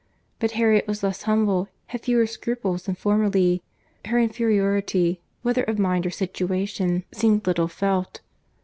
—But Harriet was less humble, had fewer scruples than formerly.—Her inferiority, whether of mind or situation, seemed little felt.